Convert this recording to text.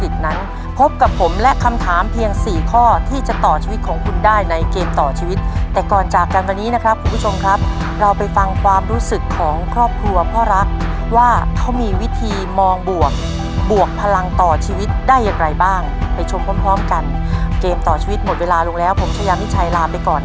ทั้งกลางคืนทั้งกลางวันไม่ได้มีเวลาพักผ่อน